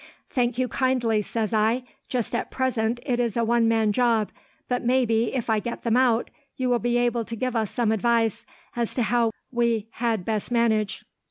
"'Thank you kindly,' says I. 'Just at present it is a one man job, but maybe, if I get them out, you will be able to give us some advice as to how we had best manage.'